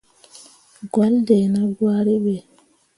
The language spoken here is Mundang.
Gwahlle dai nah gwari ɓe.